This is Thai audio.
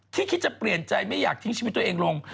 คิดจะเปลี่ยนใจไม่อยากทิ้งชีวิตตัวเองลง